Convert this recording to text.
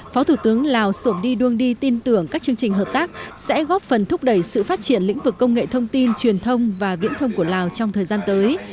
phó thủ tướng lào sổm đi đuông đi tin tưởng các chương trình hợp tác sẽ góp phần thúc đẩy sự phát triển lĩnh vực công nghệ thông tin truyền thông và viễn thông của lào trong thời gian tới